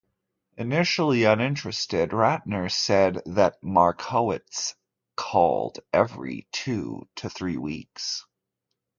Initially uninterested, Ratner said that Markowitz called every two to three weeks...